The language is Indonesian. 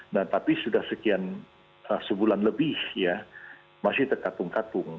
nah tapi sudah sekian sebulan lebih ya masih terkatung katung